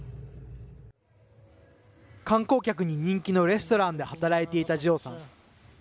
観光客に人気のレストランで働いていたジオさん。